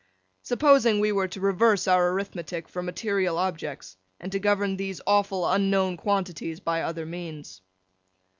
—Supposing we were to reverse our arithmetic for material objects, and to govern these awful unknown quantities by other means!